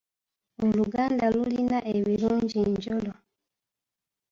Oluganda lulina ebirungi njolo.